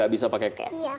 gak bisa pakai cash